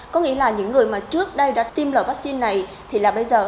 có nghĩa là những người mà trước đây đã tiêm loại vaccine này thì là bây giờ